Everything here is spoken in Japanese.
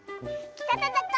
きたたたか！